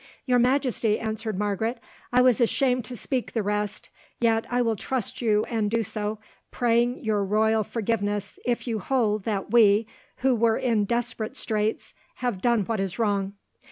"Your Majesty," answered Margaret, "I was ashamed to speak the rest, yet I will trust you and do so, praying your royal forgiveness if you hold that we, who were in desperate straits, have done what is wrong.